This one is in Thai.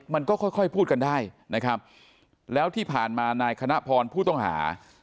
มันก็ค่อยพูดกันได้นะครับแล้วที่ผ่านมานายคณะพรผู้ต้องหา